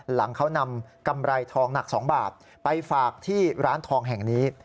หลังเขานำกำไรทองหนัก๒บาทไปฝากที่ร้านทองแห่งนี้